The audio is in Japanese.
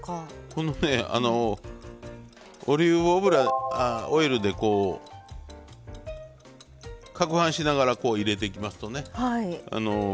このねオリーブオイルでかくはんしながら入れていきますとね